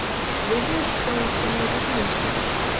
Ведаеш, хто ў іх там найважнейшы?